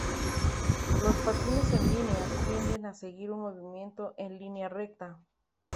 Los patines en línea, tienden a seguir un movimiento en línea recta.